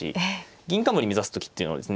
銀冠目指す時っていうのはですね